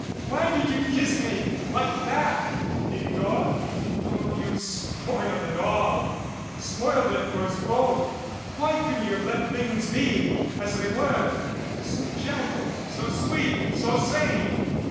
Why did you kiss me like that Philidor? Oh, you've spoiled it all spoiled it for us both. Why couldn't you have let things be as they were so gentle so sweet so sane